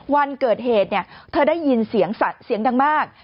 วันเกิดเหตุเธอได้ยินเสียงสัตว์เสียงดังมาก